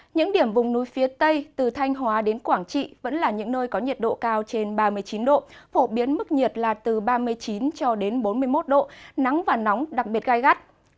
những điểm vùng núi phía tây từ thanh hóa đến quảng trị vẫn là những nơi có nhiệt độ cao trên ba mươi chín độ phổ biến mức nhiệt là từ ba mươi chín cho đến bốn mươi một độ nắng và nóng đặc biệt gai gắt